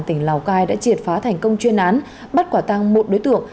tỉnh lào cai đã triệt phá thành công chuyên án bắt quả tăng một đối tượng